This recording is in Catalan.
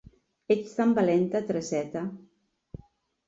Ets tan valenta, Tereseta...